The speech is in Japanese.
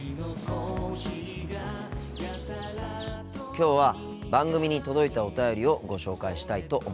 きょうは番組に届いたお便りをご紹介したいと思います。